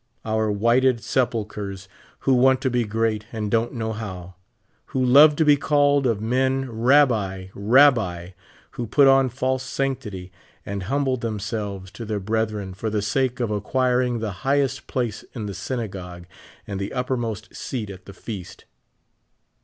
Our whited sepulchres, who want to be great, and don't know how ; who love to be called of men " Rabbi, Rabbi ;" who put on false sanctity, and humble themselves to their breth ren for the sake of acquiring the highest place in the synagogue and the uppermost seat at the feast.